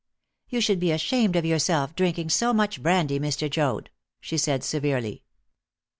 "You should be ashamed of yourself, drinking so much brandy, Mr. Joad!" she said severely.